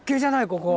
ここ。